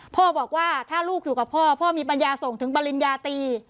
พ่อบอกว่าถ้าลูกอยู่กับพ่อพ่อมีปัญญาส่งถึงปริญญาตี